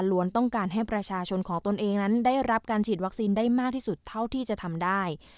ต้องการให้ประชาชนของตนเองนั้นได้รับการฉีดวัคซีนได้มากที่สุดเท่าที่จะทำได้